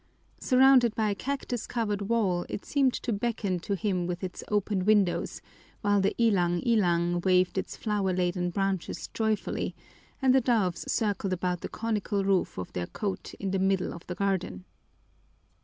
Surrounded by a cactus covered wall it seemed to beckon to him with its open windows, while the ilang ilang waved its flower laden branches joyfully and the doves circled about the conical roof of their cote in the middle of the garden.